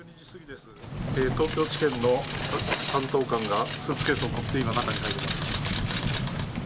東京地検の担当官がスーツケースを持って中に入りました。